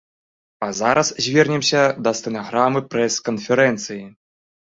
А зараз звернемся да стэнаграмы прэс-канферэнцыі.